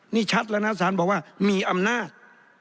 นี่ชัดแล้วนะสารบอกว่ามีอำนาจ